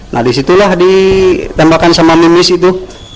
nah disitulah ditembakkan sama mimis itu